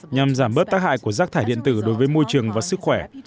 nhằm giảm bớt tác hại của rác thải điện tử đối với môi trường và sức khỏe